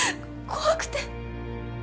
怖くて。